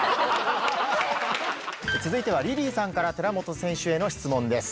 続いてはリリーさんから寺本選手への質問です。